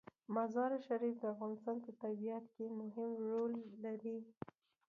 مزارشریف د افغانستان په طبیعت کې مهم رول لري.